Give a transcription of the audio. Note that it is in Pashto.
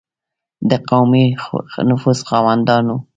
د قومي نفوذ خاوندانو.